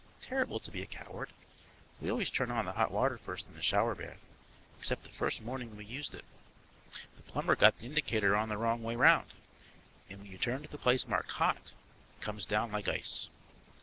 Terrible to be a coward; we always turn on the hot water first in the shower bath, except the first morning we used it. The plumber got the indicator on the wrong way round, and when you turn to the place marked HOT it comes down like ice.